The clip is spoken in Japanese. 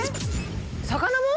魚も？